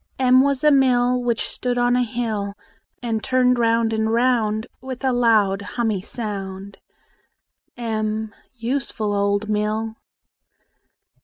M was a mill Which stood on a hill, And turned round and round With a loud hummy sound. m Useful old mill!